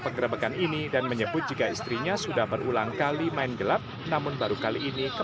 penggerebekan ini dan menyebut jika istrinya sudah berulang kali main gelap namun baru kali ini ke